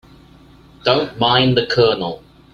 Don't mind the Colonel.